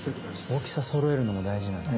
大きさそろえるのも大事なんですね。